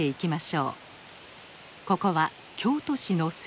ここは京都市の西北部。